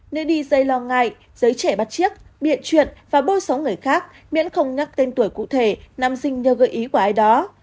nơi đi dây lo ngại giấy trẻ bắt chiếc biện chuyện và bôi sống người khác miễn không nhắc tên tuổi cụ thể nằm sinh nhờ gợi ý của ai đó